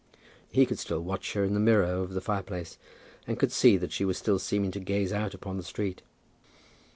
He could still watch her in the mirror over the fireplace, and could see that she was still seeming to gaze out upon the street.